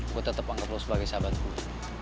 gua tetep anggap lu sebagai sahabat gua